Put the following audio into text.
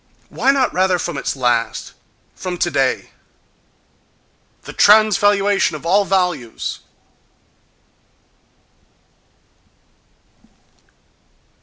—Why not rather from its last?—From today?—The transvaluation of all values!...